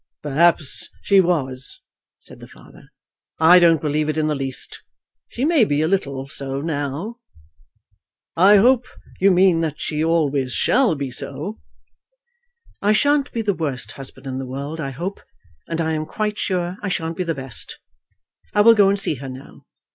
"Perhaps she was," said the father. "I don't believe it in the least. She may be a little so now." "I hope you mean that she always shall be so." "I shan't be the worst husband in the world, I hope; and I am quite sure I shan't be the best. I will go and see her now.